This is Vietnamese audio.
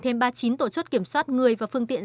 thêm ba mươi chín tổ chốt kiểm soát người và phương tiện